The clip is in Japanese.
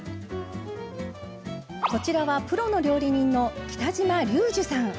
こちらはプロの料理人の北嶋竜樹さん。